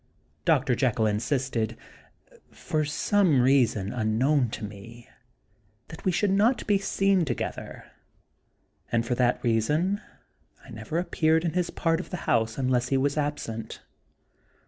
Dr. Jekyll in sisted, for some reason unknown to me, that we should not be seen together; and for that reason I never appeared in his part of the house unless he was absent.